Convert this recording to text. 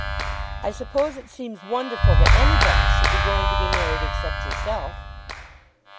"I suppose it seems wonderful that anybody should be going to be married except yourself."